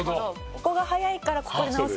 ここが速いからここで直せる。